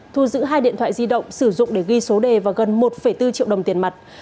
thu giữ hai điện thoại di động sử dụng để ghi số đề và gần một bốn triệu đồng tiền mặt